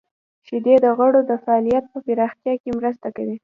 • شیدې د غړو د فعالیت په پراختیا کې مرسته کوي.